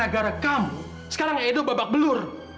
pak fadil gara gara kamu sekarang edo babak belur